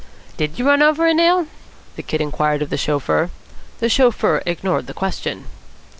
"Did you run over a nail?" the Kid inquired of the chauffeur. The chauffeur ignored the question.